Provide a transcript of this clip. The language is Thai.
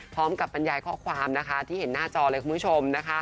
พร้อมกับบรรยายข้อความนะคะที่เห็นหน้าจอเลยคุณผู้ชมนะคะ